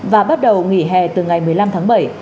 và bắt đầu nghỉ hè từ ngày một mươi năm tháng bảy